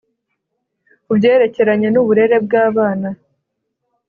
Ku byerekeranye n’uburere bw’abana,